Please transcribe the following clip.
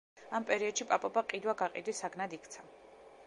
ამ პერიოდში პაპობა ყიდვა-გაყიდვის საგნად იქცა.